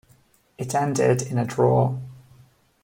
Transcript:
It ended in a draw.